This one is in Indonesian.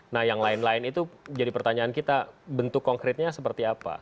nah yang lain lain itu jadi pertanyaan kita bentuk konkretnya seperti apa